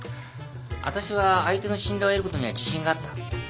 あたしは相手の信頼を得ることには自信があった。